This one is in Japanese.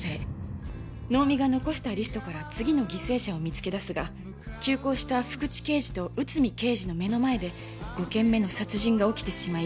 能見が残したリストから次の犠牲者を見つけ出すが急行した福知刑事と内海刑事の目の前で５件目の殺人が起きてしまい